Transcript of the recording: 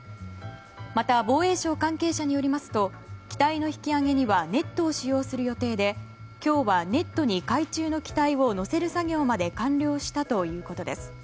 また、防衛省関係者によりますと機体の引き揚げにはネットを使用する予定で今日はネットに海中の機体を載せる作業まで完了したということです。